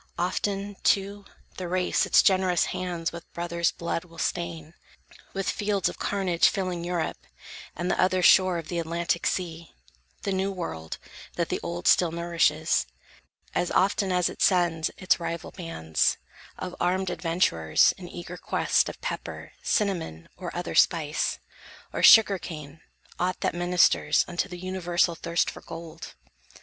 Often, too, the race Its generous hands with brothers' blood will stain, With fields of carnage filling Europe, and The other shore of the Atlantic sea, The new world, that the old still nourishes, As often as it sends its rival bands Of armed adventurers, in eager quest Of pepper, cinnamon, or other spice, Or sugar cane, aught that ministers Unto the universal thirst for gold.